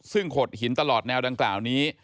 ซึ่งขดหินตลอดแนวดังกล่าวนี้